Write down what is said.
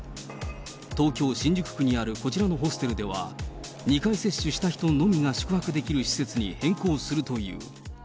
東京・新宿区にあるこちらのホステルでは、２回接種した人のみが宿泊できる施設に変更するという。